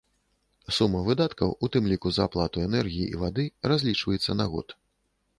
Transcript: Сума выдаткаў, у тым ліку за аплату энергіі і вады, разлічваецца на год.